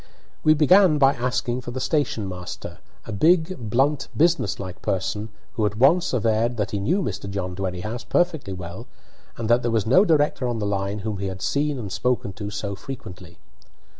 We began by asking for the station master, a big, blunt, businesslike person, who at once averred that he knew Mr. John Dwerrihouse perfectly well, and that there was no director on the line whom he had seen and spoken to so frequently.